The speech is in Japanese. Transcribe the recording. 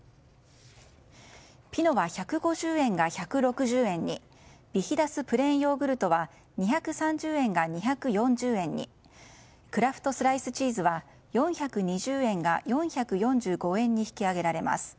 ピノは１５０円が１６０円にビヒダスプレーンヨーグルトは２３０円が２４０円にクラフトスライスチーズは４２０円が４４５円に引き上げられます。